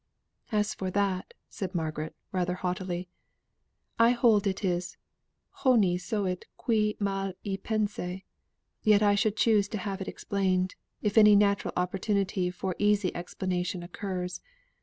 "As for that," said Margaret, rather haughtily, "I hold it is 'Honi soit qui mal y pense,' Yet still I should choose to have it explained, if any natural opportunity for easy explanation occurs.